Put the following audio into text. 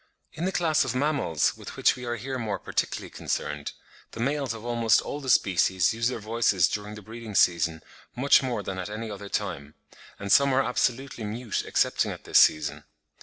In the class of Mammals, with which we are here more particularly concerned, the males of almost all the species use their voices during the breeding season much more than at any other time; and some are absolutely mute excepting at this season.